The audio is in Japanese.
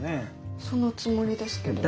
そのつもりですけど。